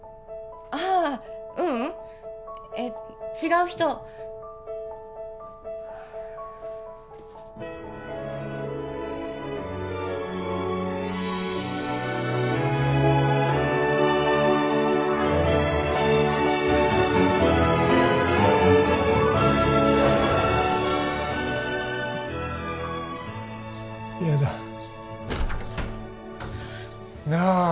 ああううんえっ違う人嫌だなあ